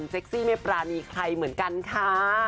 ซี่ไม่ปรานีใครเหมือนกันค่ะ